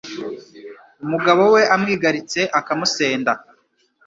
umugabo we amwigaritse akamusenda